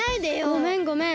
ごめんごめん。